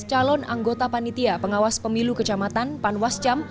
calon anggota panitia pengawas pemilu kecamatan panwascam